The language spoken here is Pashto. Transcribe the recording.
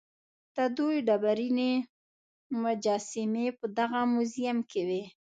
د دوی ډبرینې مجسمې په دغه موزیم کې وې.